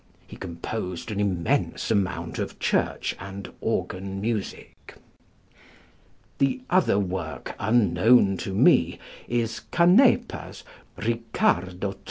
He composed an immense amount of church and organ music. The other work unknown to me is +Canepa's+ _Riccardo III.